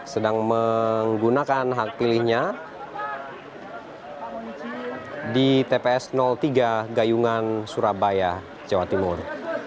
sedang menggunakan hak pilihnya di tps tiga gayungan surabaya jawa timur